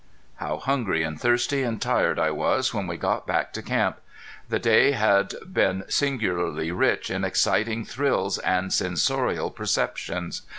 How hungry and thirsty and tired I was when we got back to camp! The day had been singularly rich in exciting thrills and sensorial perceptions.